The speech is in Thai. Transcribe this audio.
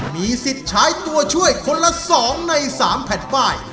มีสิทธิ์ใช้ตัวช่วยคนละ๒ใน๓แผ่นป้าย